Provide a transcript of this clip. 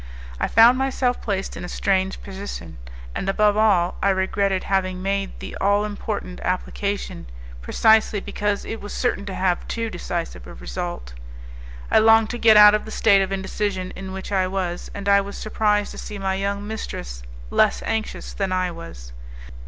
I found myself placed in a strange position, and above all, I regretted having made the all important application, precisely because it was certain to have too decisive a result. I longed to get out of the state of indecision in which I was, and I was surprised to see my young mistress less anxious than I was.